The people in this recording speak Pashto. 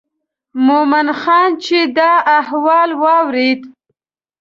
مومن خان چې دا احوال واورېد.